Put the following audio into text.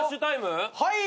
はい。